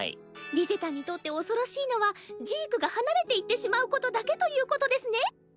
リゼたんにとって恐ろしいのはジークが離れていってしまうことだけということですね。